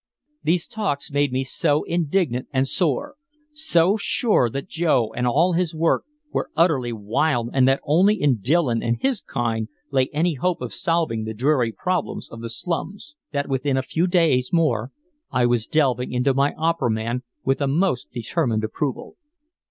These talks made me so indignant and sore, so sure that Joe and all his work were utterly wild and that only in Dillon and his kind lay any hope of solving the dreary problems of the slums that within a few days more I was delving into my opera man with a most determined approval.